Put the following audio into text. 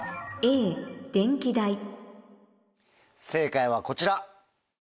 正解はこちら。